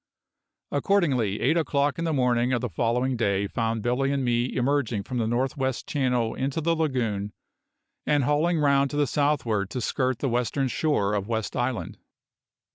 Accordingly, eight o'clock in the morning of the following day found Billy and me emerging from the North west Channel into the lagoon, and hauling round to the southward to skirt the western shore of West Island.